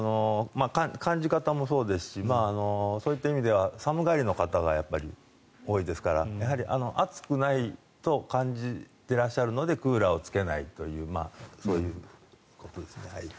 感じ方もそうですしそういった意味では寒がりの方がやっぱり多いですからやはり、暑くないと感じてらっしゃるのでクーラーをつけないというそういうことですね。